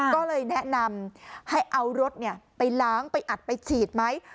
ก็เลยแนะนำให้เอารถไปล้างไปอัดไปฉีดไหม